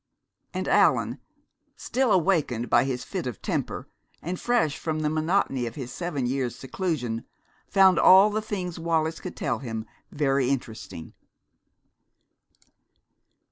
And Allan, still awakened by his fit of temper, and fresh from the monotony of his seven years' seclusion, found all the things Wallis could tell him very interesting.